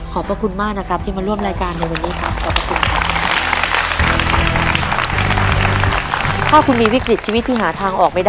พระคุณมากนะครับที่มาร่วมรายการในวันนี้ครับขอบพระคุณครับ